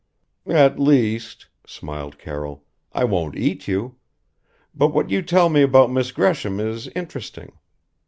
"At least," smiled Carroll, "I won't eat you. But what you tell me about Miss Gresham is interesting.